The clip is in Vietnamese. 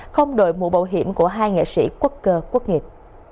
không đổi mũ bảo hiểm của hai nghệ sĩ quốc cơ quốc nghiệp